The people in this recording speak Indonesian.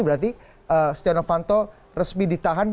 berarti setia novanto resmi ditahan